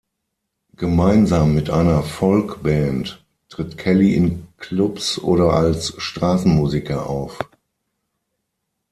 Gemeinsam mit einer Folkband tritt Kelly in Clubs oder als Straßenmusiker auf.